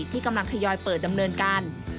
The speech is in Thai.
ที่กำลังทยอยเปิดดำเนินการ